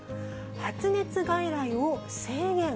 発熱外来を制限。